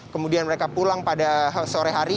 kemudian mereka pulang pada sore hari